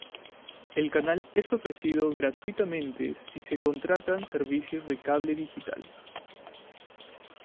El canal es ofrecido gratuitamente si se contratan servicios de cable digital.